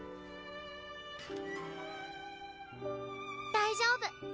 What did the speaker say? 大丈夫。